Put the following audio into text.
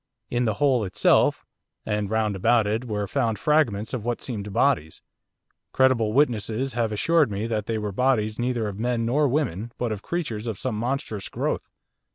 In the hole itself, and round about it, were found fragments of what seemed bodies; credible witnesses have assured me that they were bodies neither of men nor women, but of creatures of some monstrous growth.